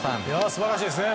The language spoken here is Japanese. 素晴らしいですね。